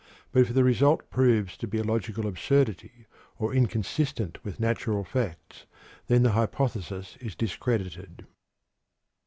But if the result proves to be a logical absurdity or inconsistent with natural facts, then the hypothesis is discredited.